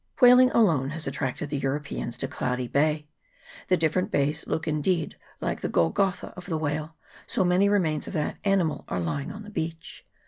Whaling alone has attracted the Europeans to Cloudy Bay. The different bays look indeed like the Golgotha of the whale, so many remains of that animal are lying on the beach.